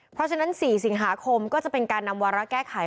เพราะฉะนั้น๔สิงหาคมก็จะเป็นการนำวาระแก้ไข